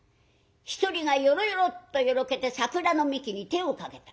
１人がよろよろっとよろけて桜の幹に手をかけた。